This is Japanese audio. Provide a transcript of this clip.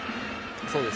そうです。